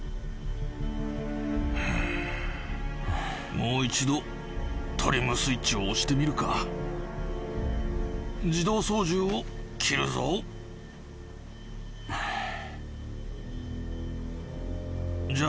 もう一度トリムスイッチを押してみるか自動操縦を切るぞじゃあ